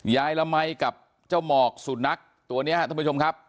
ยายละมัยกับเจ้าหมอกสุดนักตัวเนี่ยท่านผู้ชมครับ